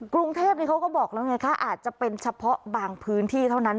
กรุงเทพนี้เขาก็บอกแล้วไงคะอาจจะเป็นเฉพาะบางพื้นที่เท่านั้น